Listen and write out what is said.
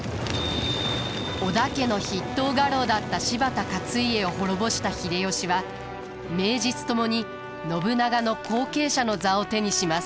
織田家の筆頭家老だった柴田勝家を滅ぼした秀吉は名実ともに信長の後継者の座を手にします。